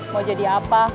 mau jadi apa